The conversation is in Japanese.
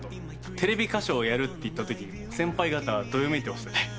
テレビ歌唱をやるって言ったときにも先輩方はどよめいてましたね。